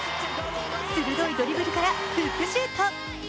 鋭いドリブルからフックシュート。